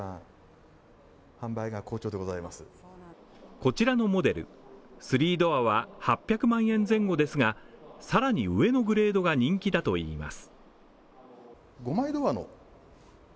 こちらのモデル３ドアは８００万円前後ですがさらに上のグレードが人気だといいます。